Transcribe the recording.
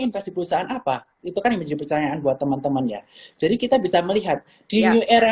investasi perusahaan apa itu kan yang menjadi percayaan buat teman temannya jadi kita bisa melihat di new era